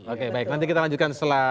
oke baik nanti kita lanjutkan setelah